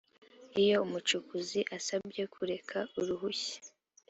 iyo umucukuzi asabye kureka uruhushya